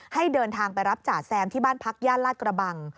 ให้เดินทางไปรับจ่าแซมที่บ้านพักย่านลาดกระบัง